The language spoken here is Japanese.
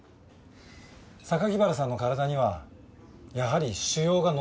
榊原さんの体にはやはり腫瘍が残っていると思います。